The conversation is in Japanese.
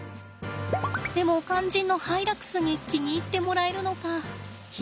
でも肝心のハイラックスに気に入ってもらえるのか。